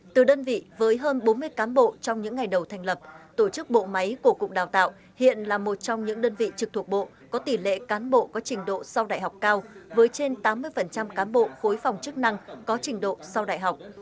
từ đơn vị với hơn bốn mươi cán bộ trong những ngày đầu thành lập tổ chức bộ máy của cục đào tạo hiện là một trong những đơn vị trực thuộc bộ có tỷ lệ cán bộ có trình độ sau đại học cao với trên tám mươi cán bộ khối phòng chức năng có trình độ sau đại học